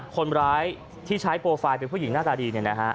คนร้ายที่ใช้โปรไฟล์เป็นผู้หญิงหน้าตาดี